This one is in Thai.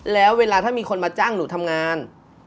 แล้วเวลาถ้ามีคนมาจ้างหนูทำงาน